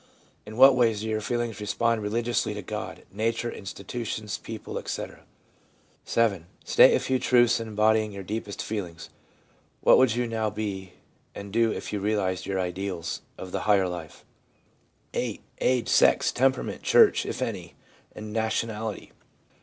In what ways do your feelings respond religiously to God, nature, institutions, people, etc.? 'VII. State a few truths embodying your deepest feelings. What would you now be and do if you realised your ideals of the higher life ? 'VIII. Age, sex, temperament, church (if any), and nationality.'